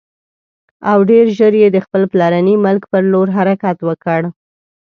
او ډېر ژر یې د خپل پلرني ملک پر لور حرکت وکړ.